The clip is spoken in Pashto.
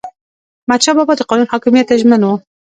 احمدشاه بابا د قانون حاکمیت ته ژمن و.